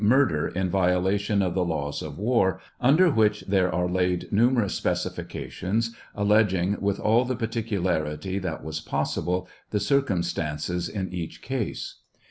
" murder in violation of the laws of war," under which there are laid numerous specifications, alleging, with all the particularity that was possible, the circum stances in each case.